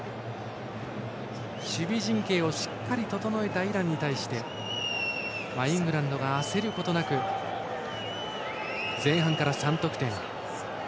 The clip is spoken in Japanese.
守備陣形をしっかり整えたイランに対してイングランドが焦ることなく前半から３得点。